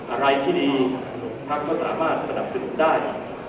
อะไรที่ดีพักก็สามารถสนับสนุนได้